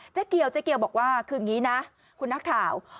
เกี่ยวเจ๊เกียวบอกว่าคืออย่างนี้นะคุณนักข่าว